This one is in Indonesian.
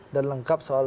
dan lengkap soal mbak yeni